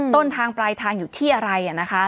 ต้นทางปลายทางอยู่ที่อะไรนะคะ